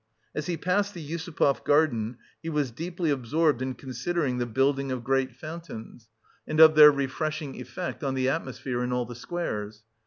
As he passed the Yusupov garden, he was deeply absorbed in considering the building of great fountains, and of their refreshing effect on the atmosphere in all the squares.